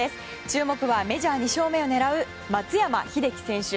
注目はメジャー２勝目を狙う松山英樹選手。